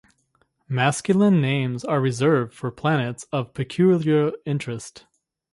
Masculine names are reserved for planets of peculiar interest.